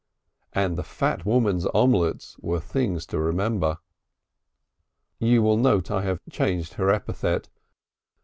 And the fat woman's omelettes were things to remember. (You will note I have changed her epithet.